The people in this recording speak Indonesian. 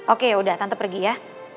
oke udah tante pergi ya